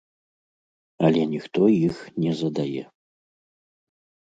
Але ніхто іх не задае.